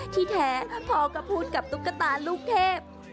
ที่แท้พ่อก็พูดกับตุ๊กตาลูกเทพ